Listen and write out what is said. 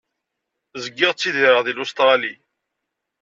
Zgiɣ ttidireɣ di Lustṛali.